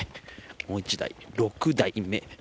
もう１台、６台目。